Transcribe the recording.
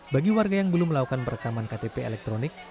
bagi warga yang belum melakukan perekaman ktp elektronik